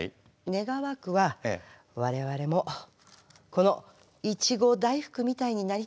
願わくは我々もこのいちご大福みたいになりたいものよねえ。